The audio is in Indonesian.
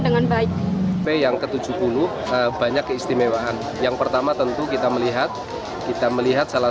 dengan baik p yang ke tujuh puluh banyak keistimewaan yang pertama tentu kita melihat kita melihat salah